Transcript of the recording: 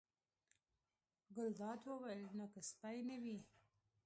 ګلداد وویل: نو که سپی نه وي.